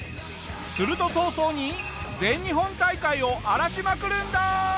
すると早々に全日本大会を荒らしまくるんだ！